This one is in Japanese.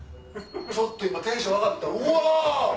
ちょっと今テンション上がったうわ！